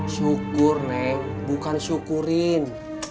syukur neng bukan syukurin